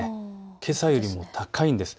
けさよりも高いんです。